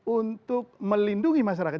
untuk melindungi masyarakat